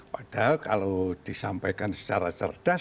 padahal kalau disampaikan secara cerdas